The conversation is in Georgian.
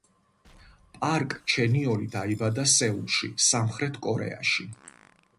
პარკ ჩენიოლი დაიბადა სეულში, სამხრეთ კორეაში.